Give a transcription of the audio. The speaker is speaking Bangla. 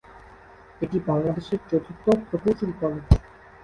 এটি বাংলাদেশের চতুর্থ প্রকৌশল কলেজ।